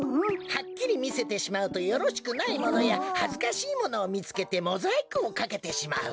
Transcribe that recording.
はっきりみせてしまうとよろしくないものやはずかしいものをみつけてモザイクをかけてしまう。